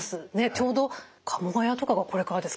ちょうどカモガヤとかがこれからですか？